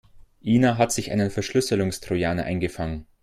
Ina hat sich einen Verschlüsselungstrojaner eingefangen.